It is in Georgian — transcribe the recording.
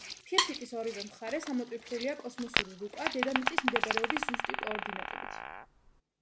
ფირფიტის მეორე მხარეს ამოტვიფრულია კოსმოსური რუკა დედამიწის მდებარეობის ზუსტი კოორდინატებით.